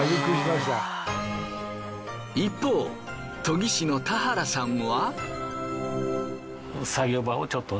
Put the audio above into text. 一方研ぎ師の田原さんは。